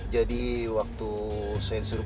jadi waktu saya suruh